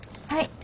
はい。